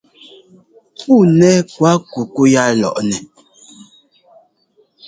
Puu nɛ́ kuákukú yá lɔʼnɛ.